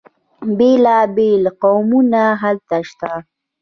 بیلا بیل قومونه هلته شته.